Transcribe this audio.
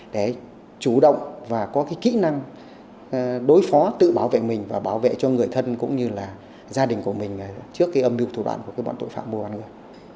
để chủ động và có kỹ năng đối phó tự bảo vệ mình và bảo vệ cho người thân cũng như là gia đình của mình trước âm mưu thủ đoạn của bọn tội phạm mua bán người